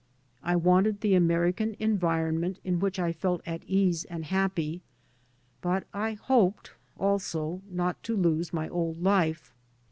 I wanted the American enviroment in which I felt at ease and happy, but I hoped also not to lose my old life.